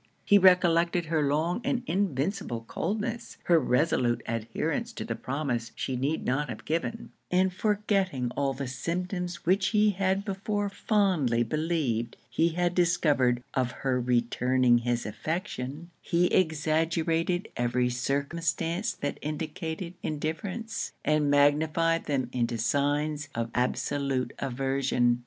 He recollected her long and invincible coldness; her resolute adherence to the promise she need not have given; and forgetting all the symptoms which he had before fondly believed he had discovered of her returning his affection, he exaggerated every circumstance that indicated indifference, and magnified them into signs of absolute aversion.